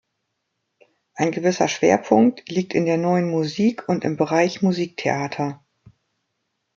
Ein gewisser Schwerpunkt liegt in der Neuen Musik und im Bereich Musiktheater.